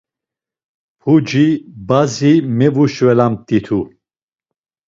Puci bazi mevuşvelamt̆itu.